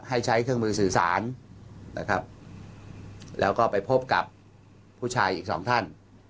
ให้ใช้เครื่องมือสื่อสารนะครับแล้วก็ไปพบกับผู้ชายอีกสองท่าน